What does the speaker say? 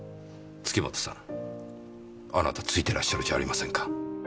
あなたツイてらっしゃるじゃありませんか。